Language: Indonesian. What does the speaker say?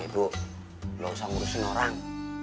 eh bu lo usah ngurusin orang